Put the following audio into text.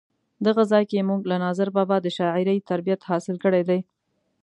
دغه ځای کې مونږ له ناظر بابا د شاعرۍ تربیت حاصل کړی دی.